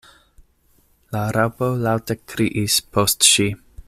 La Raŭpo laŭte kriis post ŝi.